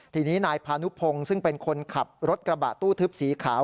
ทีนี้นายพานุพงศ์ซึ่งเป็นคนขับรถกระบะตู้ทึบสีขาว